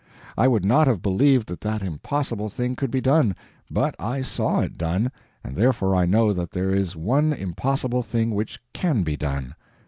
I would not have believed that that impossible thing could be done; but I saw it done, and therefore I know that there is one impossible thing which CAN be done.